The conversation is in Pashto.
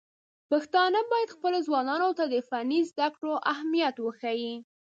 پښتانه بايد خپلو ځوانانو ته د فني زده کړو اهميت وښيي.